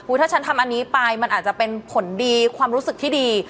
ถ้าฉันทำอันนี้ไปมันอาจจะเป็นผลดีความรู้สึกที่ดี